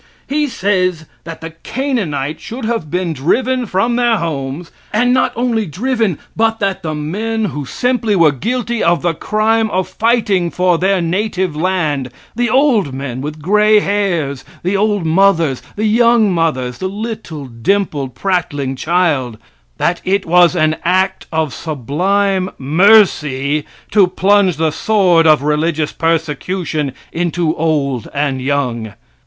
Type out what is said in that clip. He says that the Canaanites should have been driven from their homes, and not only driven, but that the men who simply were guilty of the crime of fighting for their native land the old men with gray hairs; the old mothers, the young mothers, the little dimpled, prattling child that it was an act of sublime mercy to plunge the sword of religious persecution into old and young.